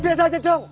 biasa aja dong